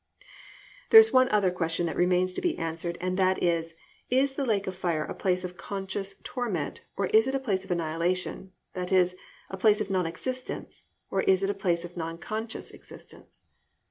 There is one other question that remains to be answered, and that is, _is the lake of fire a place of conscious torment, or is it a place of annihilation, i.e., a place of non existence, or is it a place of non conscious existence_?